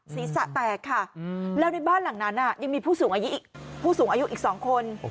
ศีรษะแตกค่ะแล้วในบ้านหลังนั้นยังมีผู้สูงอายุผู้สูงอายุอีก๒คน